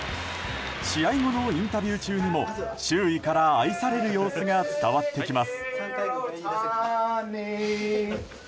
試合後のインタビュー中にも周囲から愛される様子が伝わってきます。